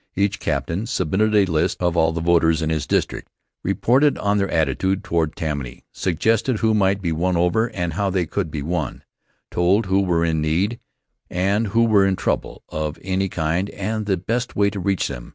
Each captain submitted a list of all the voters in his district, reported on their attitude toward Tammany, suggested who might be won over and how they could be won, told who were in need, and who were in trouble of any kind and the best way to reach them.